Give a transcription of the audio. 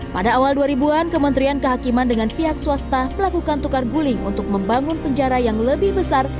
pada awal dua ribu an kementerian kehakiman dengan pihak swasta melakukan tukar guling untuk membangun penjara yang lebih besar